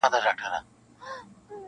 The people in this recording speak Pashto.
• پر غزل د جهاني به له ربابه نغمې اوري -